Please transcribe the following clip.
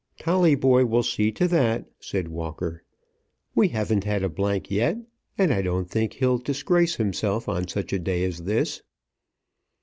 "Tolleyboy will see to that," said Walker. "We haven't had a blank yet, and I don't think he'll disgrace himself on such a day as this."